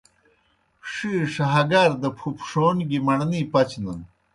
ݜِیݜہ ہگار دہ پُھپݜَون گیْ مڑنے پچنَن۔